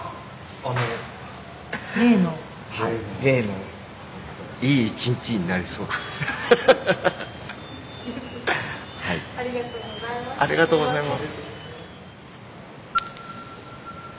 ありがとうございます。